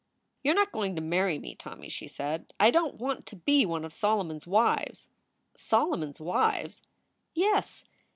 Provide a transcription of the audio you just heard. You re not going to marry me, Tommy," she said. "I don t want to be one of Solomon s wives." " Solomon s wives?" "Yes.